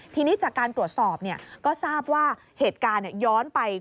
ทีนี้จากการตรวจสอบก็ทราบว่าเหตุการณ์ย้อนไป